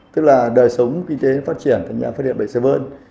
tức là đời sống kinh tế phát triển thì phát hiện bệnh sớm hơn